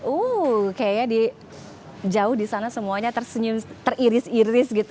uh kayaknya di jauh di sana semuanya tersenyum teriris iris gitu